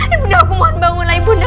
ibunda aku mohon bangunlah ibunda